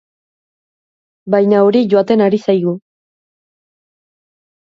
Baina hori joaten ari zaigu.